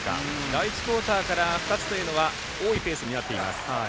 第１クオーターから２つというのは多いペースになっています。